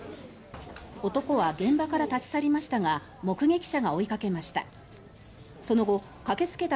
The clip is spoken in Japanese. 男は現場から立ち去りましたが目撃者が追いかけました。